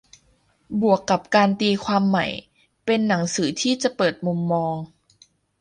บวกกับการตีความใหม่ - เป็นหนังสือที่จะเปิดมุมมอง